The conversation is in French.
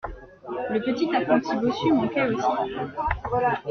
Le petit apprenti bossu manquait aussi.